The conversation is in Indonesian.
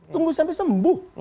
tunggu sampai sembuh